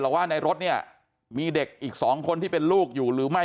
ว่าในรถเนี่ยมีเด็กอีก๒คนที่เป็นลูกอยู่หรือไม่